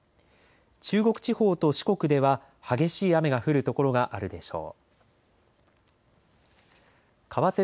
中国地方と四国では激しい雨が降る所があるでしょう。